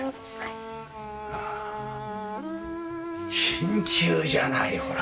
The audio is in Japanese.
真鍮じゃないほら！